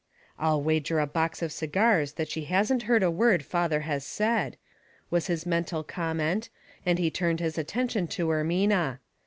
" I'll wager a box of cigars that she hasn't heard a word father has said," was his mental comment, and he turned his attention to Ermina.